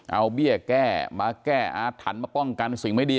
เอาเบี้ยแก้มาแก้อาถรรพ์มาป้องกันสิ่งไม่ดี